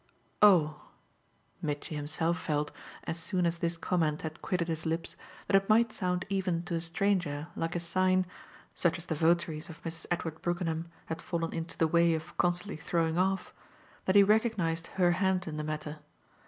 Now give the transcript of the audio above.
"Oh!" Mitchy himself felt, as soon as this comment had quitted his lips, that it might sound even to a stranger like a sign, such as the votaries of Mrs. Edward Brookenham had fallen into the way of constantly throwing off, that he recognised her hand in the matter.